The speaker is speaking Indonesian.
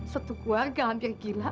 satu keluarga hampir gila